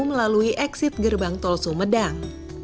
melalui exit gerbang tol sumedang